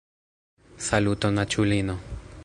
Saluton aĉulino